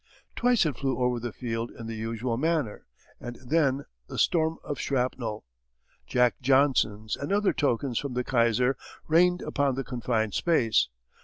Twice it flew over the field in the usual manner, and then the storm of shrapnel, 'Jack Johnsons' and other tokens from the Kaiser rained upon the confined space.